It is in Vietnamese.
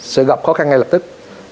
sẽ gặp khó khăn ngay lập tức